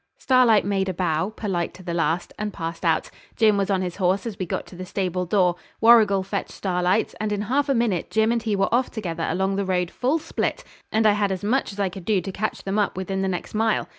Starlight made a bow, polite to the last, and passed out. Jim was on his horse as we got to the stable door. Warrigal fetched Starlight's, and in half a minute Jim and he were off together along the road full split, and I had as much as I could do to catch them up within the next mile.